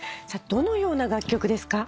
どのような楽曲ですか？